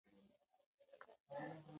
زده کوونکې به تر هغه وخته پورې سټیج ته خیژي.